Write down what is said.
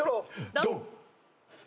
ドン！